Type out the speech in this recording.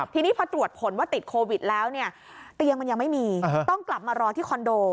ทีนี้พอตรวจผลว่าติดโควิดแล้วเนี่ยเตียงมันยังไม่มีต้องกลับมารอที่คอนโด